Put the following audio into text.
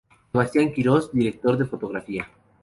Sebastián Quiroz: Director de fotografía.